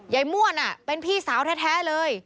ม่วนเป็นพี่สาวแท้เลย